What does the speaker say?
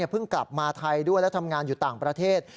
เพิ่งกลับมาไทยด้วยและทำงานอยู่ต่างประเทศ